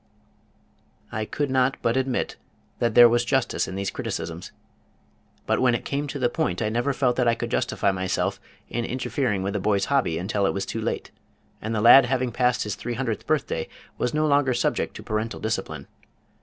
I could not but admit that there was justice in these criticisms, but when it came to the point I never felt that I could justify myself in interfering with the boy's hobby until it was too late, and the lad having passed his three hundredth birthday, was no longer subject to parental discipline.